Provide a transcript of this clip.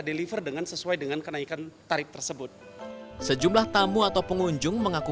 deliver dengan sesuai dengan kenaikan tarif tersebut sejumlah tamu atau pengunjung mengaku